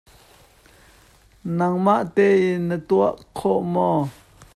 Nangmah tein na tuah kho maw?